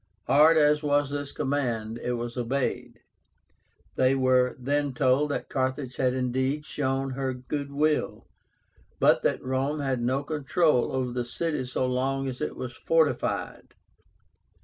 Hard as was this command, it was obeyed. They were then told that Carthage had indeed shown her good will, but that Rome had no control over the city so long as it was fortified.